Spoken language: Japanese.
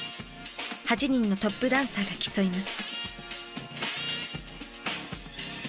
８人のトップダンサーが競います。